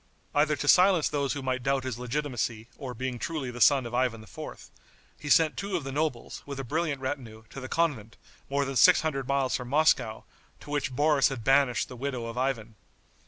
Either to silence those who might doubt his legitimacy or being truly the son of Ivan IV., he sent two of the nobles, with a brilliant retinue, to the convent, more than six hundred miles from Moscow, to which Boris had banished the widow of Ivan.